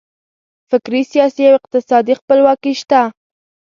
فکري، سیاسي او اقتصادي خپلواکي شته.